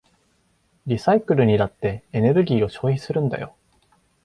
リサイクルにだってエネルギーを消費するんだよ。